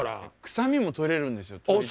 臭みも取れるんですよ。